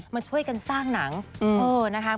มาช่วยกันสร้างหนังนะคะ